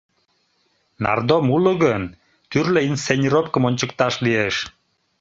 Нардом уло гын, тӱрлӧ инсценировкым ончыкташ лиеш.